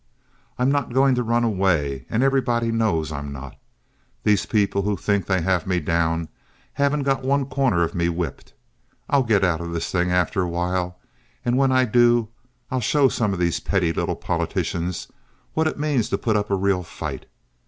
I'm not going to run away, and everybody knows I'm not. These people who think they have me down haven't got one corner of me whipped. I'll get out of this thing after a while, and when I do I'll show some of these petty little politicians what it means to put up a real fight.